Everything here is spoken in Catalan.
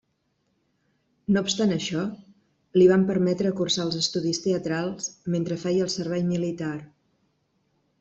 No obstant això, li van permetre cursar els estudis teatrals mentre feia el servei militar.